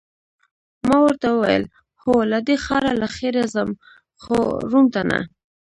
ما ورته وویل: هو، له دې ښاره له خیره ځم، خو روم ته نه.